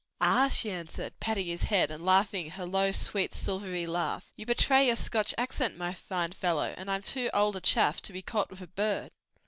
"Ah," she answered, patting his head and laughing her low, sweet silvery laugh, "you betray your Scotch accent, my fine follow; and I'm too old a chaff to be caught with a bird."